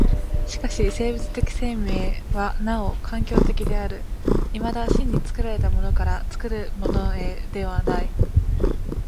しかし生物的生命はなお環境的である、いまだ真に作られたものから作るものへではない。